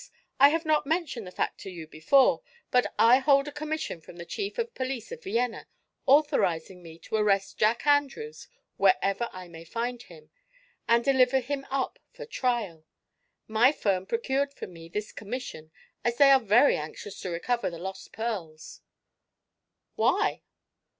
I have not mentioned the fact to you before, but I hold a commission from the Chief of Police of Vienna authorizing me to arrest Jack Andrews wherever I may find him, and deliver him up for trial. My firm procured for me this commission, as they are very anxious to recover the lost pearls." "Why?"